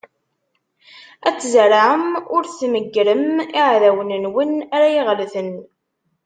Ad tzerrɛem ur tmeggrem: D iɛdawen-nwen ara iɣelten.